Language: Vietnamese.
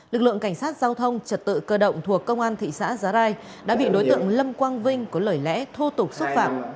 lực lượng cảnh sát giao thông trật tự cơ động thuộc công an thị xã giá rai đã bị đối tượng lâm quang vinh có lời lẽ thô tục xúc phạm